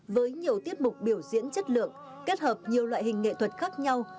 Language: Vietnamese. với nhiều tiết mục biểu diễn chất lượng kết hợp nhiều loại hình nghệ thuật khác nhau